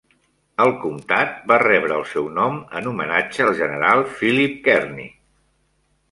El comtat va rebre el seu nom en homenatge al general Philip Kearny.